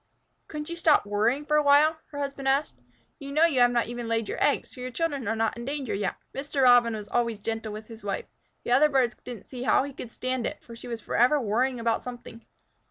"Couldn't you stop worrying for a while?" her husband asked. "You know you have not even laid your eggs, so your children are not in danger yet." Mr. Robin was always gentle with his wife. The other birds didn't see how he could stand it, for she was forever worrying about something.